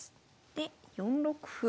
で４六歩。